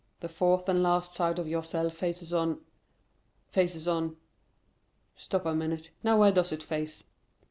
The fourth and last side of your cell faces on—faces on—stop a minute, now where does it face?"